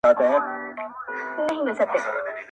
زهٔ سترګور نه يم، که څهٔ کيسه ده؟